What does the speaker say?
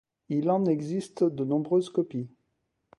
Il en existe de nombreuses copies.